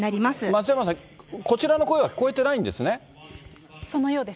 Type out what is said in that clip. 松山さん、こちらの声は聞こえてないんですね？